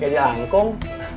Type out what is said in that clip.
udah kayak di langkung